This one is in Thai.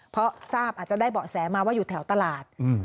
เพราะทราบอาจจะได้เบาะแสมาว่าอยู่แถวตลาด